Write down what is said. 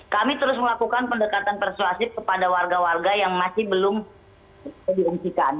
kami terus melakukan pendekatan persuasif kepada warga warga yang masih belum dihentikan